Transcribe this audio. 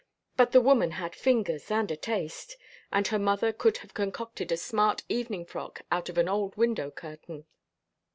But the woman had fingers, and a taste! And her mother could have concocted a smart evening frock out of an old window curtain.